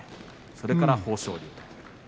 それから豊昇龍。